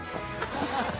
ハハハハ！